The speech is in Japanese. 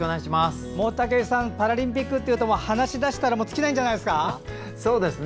武井さんパラリンピックというと話し出したら尽きないんじゃないですか？